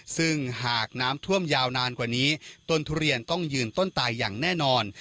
ซึ่งหากน้ำท่วมยาวนานกว่านี้ต้นทุเรียนต้องยืนต้นตายอย่างแน่นอน